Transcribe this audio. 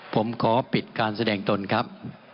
ผมขอปิดการแสดงตนครับ